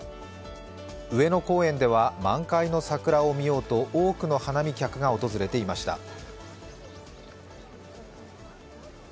上野公園では満開の桜を見ようと多くの花見客が訪れていました。